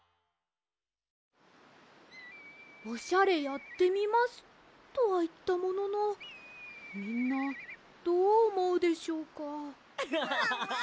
「オシャレやってみます」とはいったもののみんなどうおもうでしょうか？